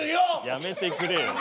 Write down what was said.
やめてくれよ。